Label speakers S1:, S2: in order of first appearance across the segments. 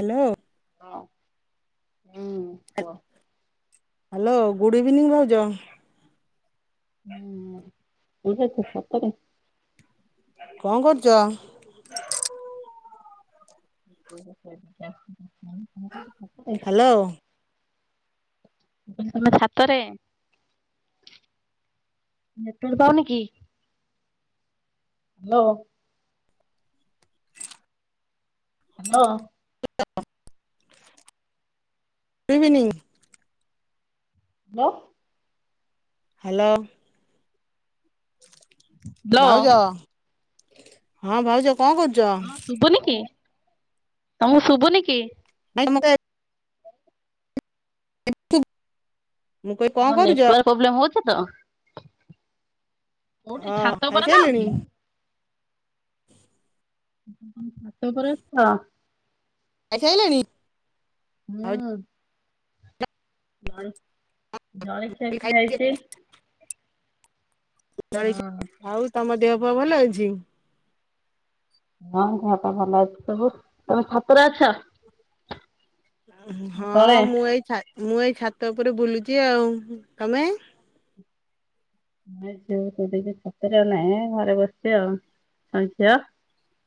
S1: Hello.
S2: ହଁ। ହୁଁ
S1: ଆ
S2: କୁହ।
S1: ହାଲୋ ଗୁଡ ଇଭିନିଙ୍ଗ ଭାଉଜ।
S2: ହୁଁ [unintelligible] ସତରେ।
S1: କଣ କରୁଛ?
S2: [inaudible]
S1: ହାଲୋ।
S2: ତମେ ଛାତରେ ନେଟ ପାଉନି କି ହ୍ୟାଲୋ ହ୍ୟାଲୋ।
S1: [unintelligible]
S2: [unintelligible]
S1: ହ୍ୟାଲୋ।
S2: ହ୍ୟାଲୋ
S1: ଭାଉଜ ହଁ ଭାଉଜ କଣ
S2: ହଁ
S1: କରୁଛ?
S2: ଶୁଭୁନି କି ତମୁକୁ ଶୁଭୁନି କି?
S1: [unintelligible] [unintelligible] ମୁଁ କହିଲି କଣ
S2: ମର
S1: କରୁଛ
S2: ନେଟୱର୍କ ପ୍ରୋବ୍ଲେମ ହଉଛି ତ
S1: ଅ
S2: କୋଉଠି ଛାତ ଉପରେ ନା
S1: ଖାଇସାରିଲେଣି
S2: କି? ଛାତ ଉପରେ ଅଛି।
S1: ଖାଇ ସାଇଲନି।
S2: ହୁଁ। ଜଳ ଜଳ ଖଷ ହେଇଛି
S1: ଜ
S2: ହଁ
S1: ଆଉ ତମ ଦେହପୁଅ ଭଲ ଅଛି?
S2: ହଁହଁ ଭଲ ଅଛି ସବୁ ତମେ ଛତରେ ଅଛ? ନା
S1: ହଁ
S2: ତଳେ?
S1: ମୁଁ ଏଇ ମୁଁ ଏଇ ଛାତ ଉପରେ ବୁଲୁଛି ଆଉ ତମେ?
S2: ଝିଅ ତ ଟିକି ଛାତରେଆ ନାହିଁ ଘରେ ବସିଛି ଆଉ ଝିଅ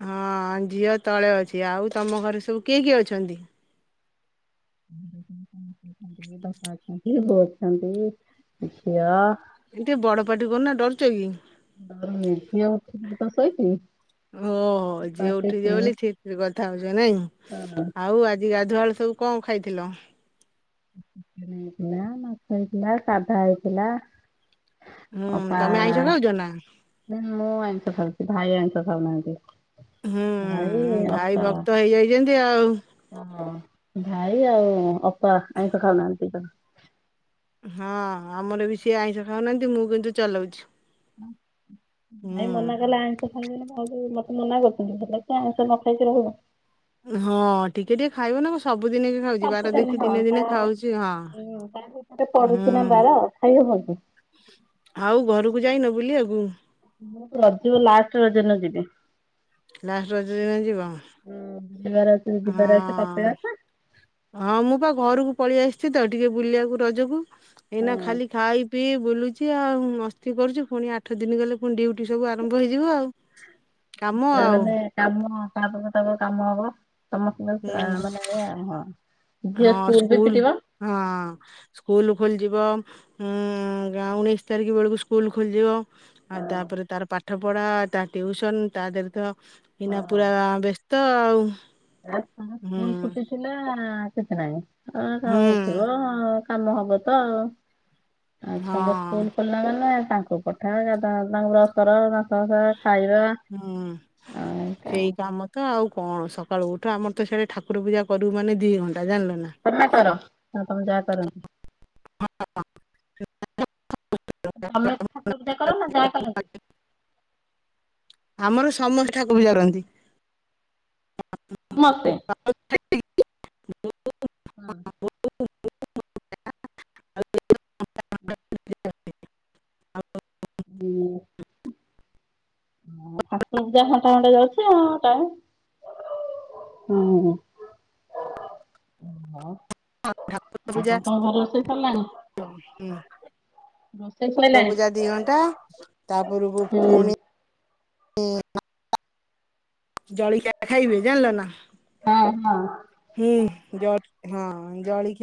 S1: ହଁ ଝିଅ ତଳେ ଅଛି ଆଉ ତମ ଘରେ ସବୁ କିଏ କିଏ ଅଛନ୍ତି?
S2: ବାପନ୍ତି ବୋଚନ୍ତି ଝିଅ
S1: ଏ ଟିକେ ବଡ ପାଟି କରୁନା ଡରୁଛ କି?
S2: ଆ ନିିଆତାହି କି
S1: ଓ ଝିଅ ଉଠିଯିବ ବୋଲି ସେଥିରେ କଥା ହଉଛ ନାଇଁ ଆଉ ଆ ଗାଧୁଆଳୁ ସବୁ କଣ ଖାଇଥିଲ?
S2: ହେଇଥିଲା ମାଛ ହେଇଥିଲା ସାଧା ହେଇଥିଲା।
S1: ହୁଁ
S2: ଅପା
S1: ତମେ ଆଇଁଷ ଖାଉଛ ନା?
S2: ମୁଁ ଆଇଷ ଖାଉଛି ଭାଇ ଆଇଷ ଖାଉନାହାନ୍ତି ଭାଇ ଅପା
S1: ଯେମତି ଆଉ
S2: ଓୋ ଭାଇ ଆଉ ଅପା ଆଇଁଶ ଖାଉନାହାନ୍ତି ତ
S1: ହଁ ଆମର ବି ସିଏ ଆଇଁଷ ଖାଉନାହାନ୍ତି ମୁଁ କିନ୍ତୁ ଚଲଉଛି।
S2: ଭାଇ
S1: ହୁଁ।
S2: ମନା କଲା ଆ ସ ଖାଇବେନି ମତେ ମନା କରୁଛନ୍ତି ଭ ତ ଆଇଷ ନ ଖାଇକି ରହିବ।
S1: ହଁ ଟିକେ ଟିକ ଖାଇବ ନା ମୁ ସବୁଦିନେ କି ଖାଉଛି ବାର
S2: ସବୁଦିନ
S1: ଦେଖି
S2: ହଁ
S1: ଦିନେ ଦିନେ
S2: ତା
S1: ଖାଉଛି ହଁ
S2: ହୁଁ ତା ଭିତରେ ପଡୁଛି
S1: ହୁଁ।
S2: ନା [unintelligible]
S1: ଆଉ ଘରକୁ ଯାଇନ ବୁଲି ବାକୁ?
S2: ମୁଁ ରଜ ଲାଷ୍ଟ ରଜ ଦିନ ଯିବି।
S1: ଲାଷ୍ଟ ରଜ ଦିନ ଯିବ।
S2: [unintelligible] ଅଛି
S1: ହଁ
S2: କପିଳାସ।
S1: ହଁ ମୁଁ ପା ଘରକୁ ପଳେଇ ଆସିଛି ତ ଟିକେ ବୁଲିବାକୁ ରଜକୁ। ଏଇନା ଖାଲି ଖାଇ ପିଇ ବୁଲୁ ଅଛି ଆଉ ମସ୍ତି କରୁଛୁ ପୁଣି ଆଠ ଦିନ ଗଲେ ପୁଣି ଡିଉଟି ସବୁ ଆରମ୍ଭ ହେଇଯିବ ଆଉ। କାମ ଆଉ
S2: ମାନେ କାମ କାହା ପାଖ ତାପ କାମ ହବ
S1: ହୁଁ
S2: ସମସ୍ତଙ୍କ ମାନେ ସେୟା [unintelligible]
S1: ହଁ ସ୍କୁଲ୍, ହଁ। ସ୍କୁଲ୍ ଖୋଲିଯିବ, ଉଁ ଗା ଉଣେଇଶି ତାରିଖ ବେଳୁକୁ ସ୍କୁଲ୍ ଖୋଲିଯିବ।
S2: ହଁ
S1: ଆଉ ତାପରେ ତାର ପାଠପଢା ତା ଟିଉସନ୍ ତାଦେରେ ତ ଏଇନା ପୁରା ବ୍ୟସ୍ତ ଆଉ।
S2: [unintelligible]
S1: ହୁଁ
S2: ସ୍କୁଲ୍ ଛୁଟି ଥିଲା କିଛି ନାଇଁ
S1: ହୁଁ
S2: [unintelligible] ଥିବ କାମ ହବ ତ ଆଉ, ଆଉ
S1: ହଁ
S2: ଛୁଆଙ୍କ ସ୍କୁଲ୍ ଖୋଲିଲା ମାନେ ତାଙ୍କୁ ପ [unintelligible] ତାଙ୍କୁ ବ୍ରସ୍ କର ଦାନ୍ତ ଘସା ଖାଇବା
S1: ହୁଁ।
S2: ଆଉ
S1: ସେଇ କାମ ତ ଆଉ କଣ ସକାଳୁ ଉଠ ଆମର ତ [unintelligible] ଠାକୁର ପୂଜା କରିବୁ ମାନେ ଦି ଘଣ୍ଟା ଜାଣିଲ ନା।
S2: ତମେ କର, ନା ତମ ଜା କରନ୍ତି?
S1: [inaudible]
S2: ତମେ ଠାକୁର ପୂଜା କର ନା ଜା କରନ୍ତି?
S1: ଆମର ସମସ୍ତେ ଠାକୁର ପୂଜା କରନ୍ତି
S2: ସମସ୍ତେ।
S1: [inaudible]
S2: ହଁ। ହୁଁ। ଠାକୁର ପୂଜା ଘଣ୍ଟା-ଘଣ୍ଟା ଯାଉଚି ଆଉ ଟାଇମ୍। ହୁଁ।
S1: ହଁ ଠାକୁର ପୂଜା
S2: ଆଉ ତମ ଘରେ ରୋଷେଇ ସରିଲାଣି
S1: [inaudible]
S2: ରୋଷେଇ
S1: ଠାକୁର
S2: ସଇଲାଣି?
S1: ପୂଜା ଦି ଘଣ୍ଟା, ତାପରକୁ
S2: ହୁଁ।
S1: ଫୁଣି ଜାଳିଖିଆ ଖାଇବେ ଜାଣିଲ ନା।
S2: ହଁ-ହଁ।
S1: ହୁଁ ହଁ ଜାଳି ହଁ ଜଳିଖିଆ